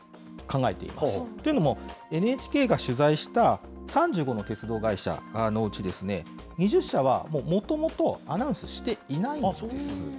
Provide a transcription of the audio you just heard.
っていうのも、ＮＨＫが取材した、３５の鉄道会社のうち、２０社は、もうもともとアナウンスしていないんですね。